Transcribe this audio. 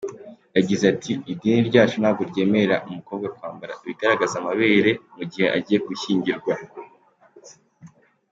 Yagize ati “Idini ryacu ntabwo ryemerera umukobwa kwambara ibigaragaza amabere mu gihe agiye gushyingirwa.